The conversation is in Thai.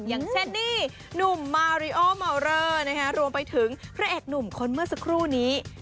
อย่างเช่นนี่หนุ่มมาริโอเมาเลอร์รวมไปถึงพระเอกหนุ่มคนเมื่อสักครู่นี้